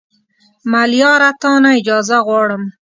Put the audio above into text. ملیاره تا نه اجازه غواړم